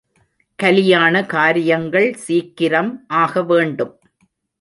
கலியாண காரியங்கள் சீக்கிரம் ஆக வேண்டும்.